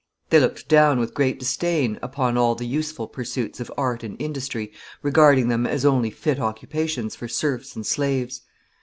They looked down with great disdain upon all the useful pursuits of art and industry, regarding them as only fit occupations for serfs and slaves.